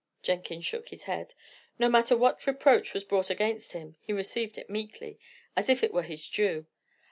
Jenkins shook his head. No matter what reproach was brought against him, he received it meekly, as if it were his due.